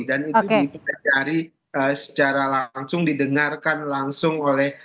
dan itu dipercaya secara langsung didengarkan langsung oleh